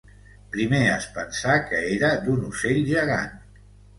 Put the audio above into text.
Primer es pensà que era d’un ocell gegant.